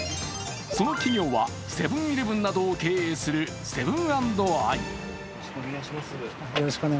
その企業はセブン‐イレブンなどを経営するセブン＆アイ。